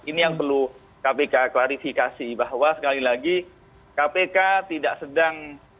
ini yang perlu kpk klarifikasi bahwa sekali lagi kpk tidak sedang